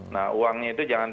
nah uangnya itu jangan